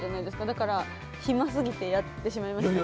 だから、暇すぎてやってしまいました。